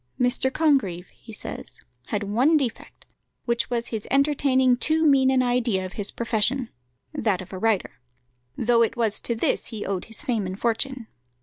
"Mr. Congreve," he says, "had one defect, which was his entertaining too mean an idea of his profession that of a writer though it was to this he owed his fame and fortune.